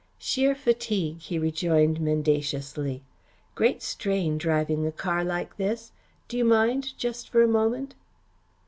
"Sheer fatigue," he rejoined mendaciously. "Great strain driving a car like this. Do you mind, just for a moment?"